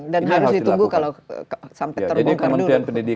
dan harus ditunggu kalau sampai terbongkar dulu